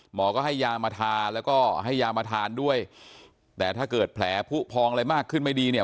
หมอก็ให้ยามาทาแล้วก็ให้ยามาทานด้วยแต่ถ้าเกิดแผลผู้พองอะไรมากขึ้นไม่ดีเนี่ย